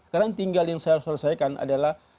karena tinggal yang saya harus selesaikan adalah